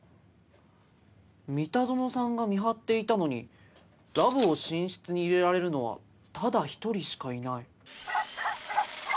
「三田園さんが見張っていたのにラブを寝室に入れられるのはただ一人しかいない」